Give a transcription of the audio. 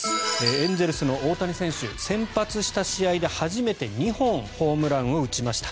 エンゼルスの大谷選手先発した試合で初めて２本ホームランを打ちました。